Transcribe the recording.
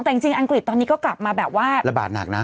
แต่จริงอังกฤษตอนนี้ก็กลับมาแบบว่าระบาดหนักนะ